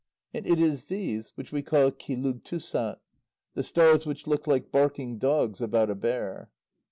And it is these which we call Qilugtûssat, the stars which look like barking dogs about a bear.